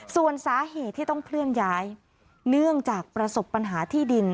ส่วนสาเหตุที่ต้องเคลื่อนย้ายเนื่องจากประสบปัญหาที่ดิน